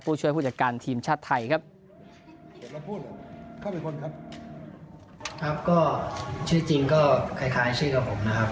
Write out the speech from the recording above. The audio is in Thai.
ผู้ช่วยผู้จัดการทีมชาติไทยครับ